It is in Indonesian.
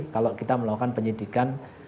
kalau kita melakukan penyidikan